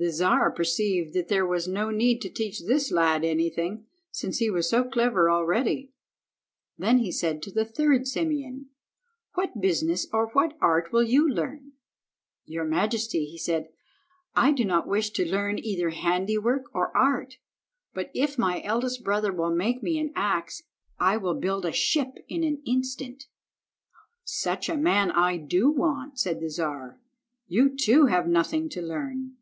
The Czar perceived that there was no need to teach this lad anything, since he was so clever already. Then he said to the third Simeon— "What business or what art will you learn?" "Your majesty," said he, "I do not wish to learn either handiwork or art, but if my eldest brother will make me an axe, I will build a ship in an instant." "Such a man do I want," said the Czar. "You, too, have nothing to learn."